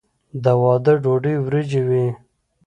د واده ډوډۍ وریجې وي.